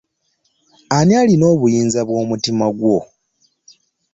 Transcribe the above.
Ani alina obuyinza bwo mutima gwo?